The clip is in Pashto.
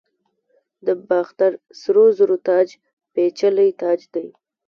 د باختر سرو زرو تاج پیچلی تاج دی